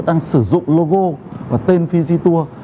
đang sử dụng logo và tên fiditur